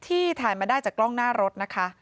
ที่ถ่ายมาได้จากกล้องหน้ารถนะคะ